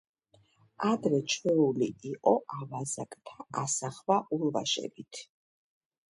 ადრე ჩვეული იყო ავაზაკთა ასახვა ულვაშებით.